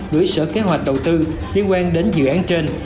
gửi sở kế hoạch đầu tư liên quan đến dự án trên